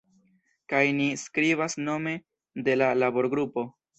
Kaj ni skribas nome de la laborgrupo.